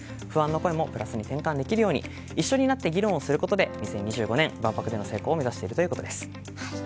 不安の声もプラスに転換できるよう一緒になって議論をすることで２０２５年万博での成功を目指しているということです。